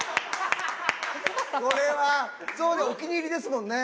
これはそういうのお気に入りですもんね。